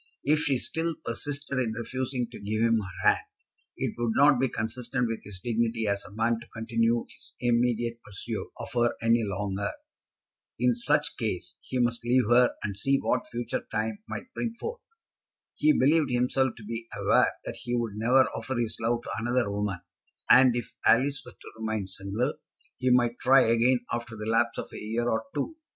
If she still persisted in refusing to give him her hand, it would not be consistent with his dignity as a man to continue his immediate pursuit of her any longer. In such case he must leave her, and see what future time might bring forth. He believed himself to be aware that he would never offer his love to another woman; and if Alice were to remain single, he might try again, after the lapse of a year or two.